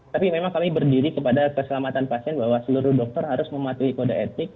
tapi memang kami berdiri kepada keselamatan pasien bahwa seluruh dokter harus mematuhi kode etik